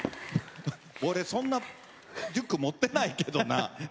俺そんなリュック持ってないけどな。